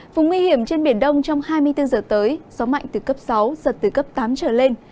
vùng nguy hiểm trên biển đông trong hai mươi bốn giờ tới gió mạnh từ cấp sáu giật từ cấp tám trở lên